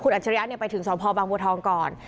คุณอัจฉริยะเนี่ยไปถึงสมพบังบัวทองก่อน